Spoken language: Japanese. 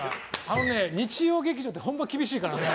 あのね日曜劇場ってホンマ厳しいからね。